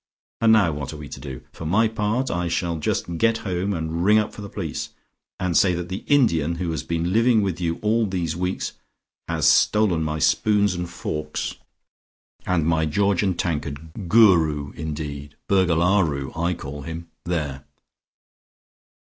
And now what are we to do? For my part, I shall just get home, and ring up for the police, and say that the Indian who has been living with you all these weeks has stolen my spoons and forks and my Georgian tankard. Guru, indeed! Burglaroo, I call him! There!"